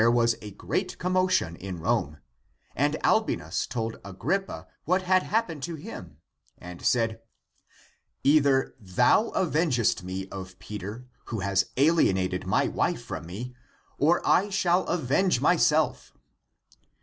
114 THE APOCRYPHAL ACTS a great commotion in Rome/^ and Albinus told Agrippa what had happened to him, and said, " Either thou avengest me of Peter, who has ahena ted my wife from me,''^ or I shall avenge myself."